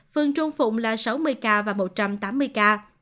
phương trung phụng là sáu mươi ca và một trăm tám mươi ca